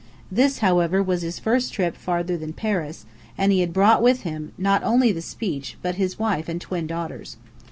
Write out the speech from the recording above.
This, however, was his first trip farther than Paris, and he had brought with him, not only the speech, but his wife and twin daughters.